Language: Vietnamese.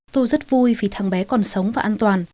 tôi rất vui vì tháng bé còn sống và an toàn